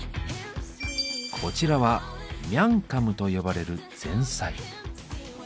こちらは「ミャンカム」と呼ばれる前菜。